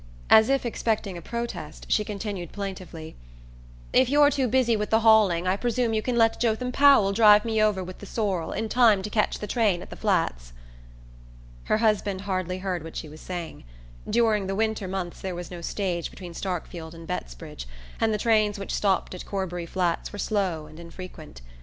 As if expecting a protest, she continued plaintively; "If you're too busy with the hauling I presume you can let Jotham Powell drive me over with the sorrel in time to ketch the train at the Flats." Her husband hardly heard what she was saying. During the winter months there was no stage between Starkfield and Bettsbridge, and the trains which stopped at Corbury Flats were slow and infrequent.